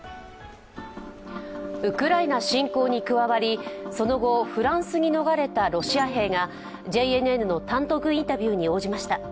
ウクライナ侵攻に加わり、その後フランスに逃れたロシア兵がＪＮＮのの単独インタビューに応じました。